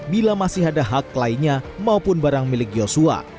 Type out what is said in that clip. bila masih ada hak lainnya maupun barang milik yosua